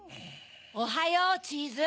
おはようチーズ。